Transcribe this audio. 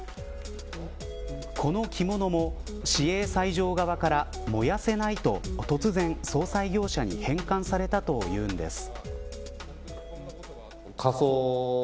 この着物も市営斎場側から燃やせないと、突然葬祭業者に返還されたというのです。